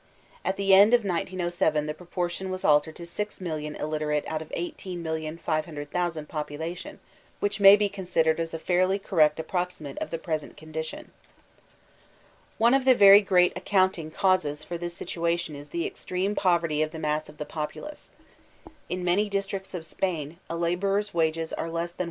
At the end of 1907 the proportion was altered to 6,000,000 literate out of 18,500,000 popula tion, which may be considered as a fairly correct approxi mate of the present condition. One of the very great accounting causes for this situa* tion is the extreme poverty of the mass of the populace. In many districts of Spain a laborer's wages are less than $1.